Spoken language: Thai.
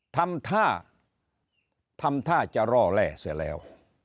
ทำท่าทำท่าจะร่อแร่เสียแล้ว